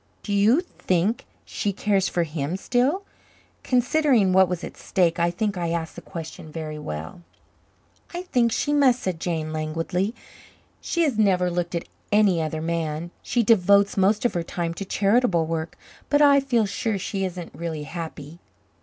"Do you think she cares for him still?" Considering what was at stake, I think I asked the question very well. "I think she must," said Jane languidly. "She has never looked at any other man. She devotes most of her time to charitable work, but I feel sure she isn't really happy."